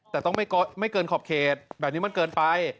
แต่ต้องไม่เกินขอบเขตแบบนี้มันเกินไป